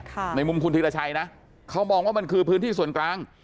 ในมุมคุณธีรชัยนะเขามองว่ามันคือพื้นที่ส่วนกลาง